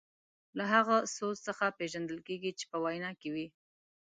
له هغه سوز څخه پېژندل کیږي چې په وینا کې وي.